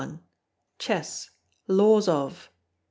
Chess, Laws of.